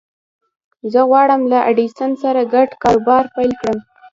زه غواړم له ايډېسن سره ګډ کاروبار پيل کړم.